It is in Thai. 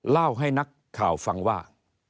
เล่าให้นักข่าวฟังว่า